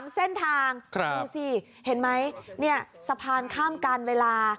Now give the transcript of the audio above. ๓เส้นทางดูสิเห็นไหมเนี่ยสะพานข้ามกันเวลา